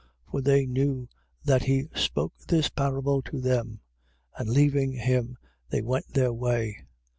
For they knew that he spoke this parable to them. And leaving him, they went their way.